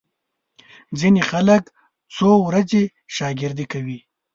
ځینې خلک څو ورځې شاګردي کوي.